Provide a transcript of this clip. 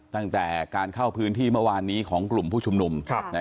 ตั้งแต่การเข้าพื้นที่เมื่อวานนี้ของกลุ่มผู้ชุมนุม